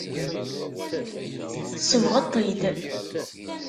Tsebɣeḍ-t-id.